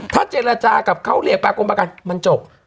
ถ้าเจรจากับเขาเรียกปากรมประกันมันจบ